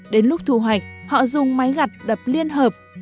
đến lúc thu hoạch họ dùng máy gặt đập liên hợp